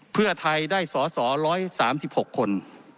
เพื่อไทยได้สอสอ๑๓๖คน